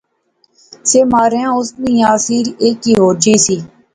سے ماریاں اس نی یاثیر ایہہ کی ہور جئی سی